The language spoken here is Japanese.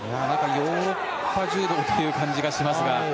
ヨーロッパ柔道という感じがしますが。